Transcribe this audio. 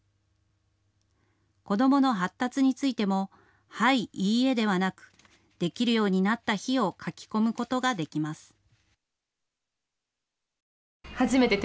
子どもの発達についてもはい、いいえではなくできるようになった日を書き込むことができます。